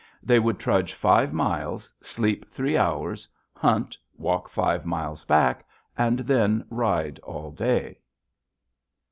They would trudge five miles, sleep three hours, hunt, walk five miles back, and then ride all day.